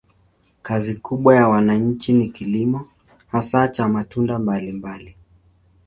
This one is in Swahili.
Kazi kubwa ya wananchi ni kilimo, hasa cha matunda mbalimbali.